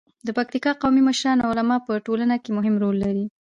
د پکتیکا قومي مشران او علما په ټولنه کې مهم رول لري.